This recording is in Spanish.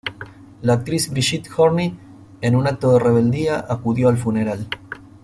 La actriz Brigitte Horney, en un acto de rebeldía, acudió al funeral.